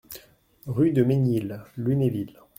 Rue de Ménil, Lunéville